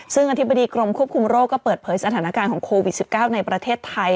ซึ่งอธิบดีกรมควบคุมโรคก็เปิดเผยสถานการณ์ของโควิด๑๙ในประเทศไทย